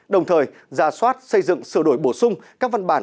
đồng thời ra soát xây dựng sửa đổi bổ sung các văn bản